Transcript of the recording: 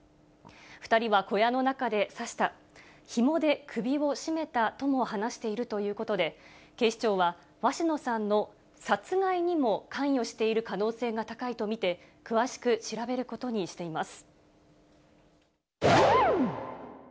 ２人は小屋の中で刺した、ひもで首を絞めたとも話しているということで、警視庁は鷲野さんの殺害にも関与している可能性が高いと見て、詳しく調べることにしています。